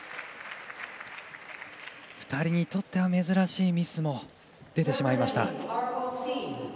２人にとっては珍しいミスも出てしまいました。